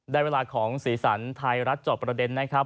ได้เวลาของศรีสรรค์ไทยรัฐเจาะประเด็นนะครับ